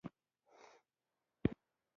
زه له دې فریبه ډیر دور او دراز یم.